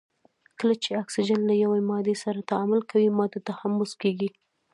کله چې اکسیجن له یوې مادې سره تعامل کوي ماده تحمض کیږي.